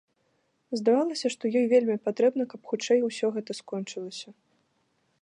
Здавалася, што ёй вельмі патрэбна, каб хутчэй усё гэта скончылася.